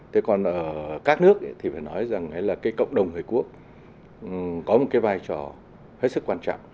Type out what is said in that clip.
thế còn ở các nước thì phải nói rằng là cái cộng đồng người quốc có một cái vai trò hết sức quan trọng